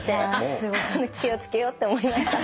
気を付けようって思いました。